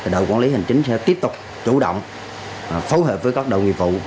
đội quản lý hành chính sẽ tiếp tục chủ động phối hợp với các đội nghiệp vụ